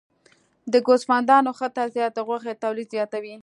د ګوسفندانو ښه تغذیه د غوښې تولید زیاتوي.